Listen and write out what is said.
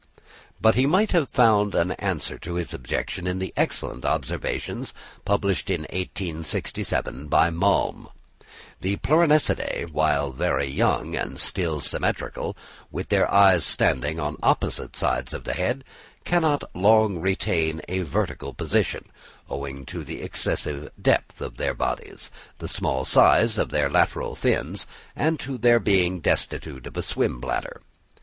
But he might have found an answer to this objection in the excellent observations published in 1867 by Malm. The Pleuronectidæ, while very young and still symmetrical, with their eyes standing on opposite sides of the head, cannot long retain a vertical position, owing to the excessive depth of their bodies, the small size of their lateral fins, and to their being destitute of a swimbladder.